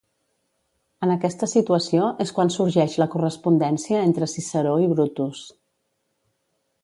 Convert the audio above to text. En aquesta situació és quan sorgeix la correspondència entre Ciceró i Brutus.